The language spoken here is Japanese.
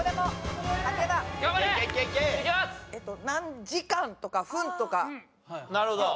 何時間とか分とか。